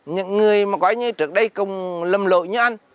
những người mà quả như trước đây cũng lâm lội như anh